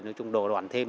nói chung đồ đoạn thêm